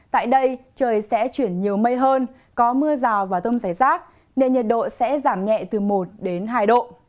tại đây trời sẽ chuyển nhiều mây hơn có mưa rào và rông rải rác nên nhiệt độ sẽ giảm nhẹ từ một đến hai độ